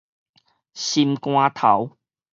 心肝頭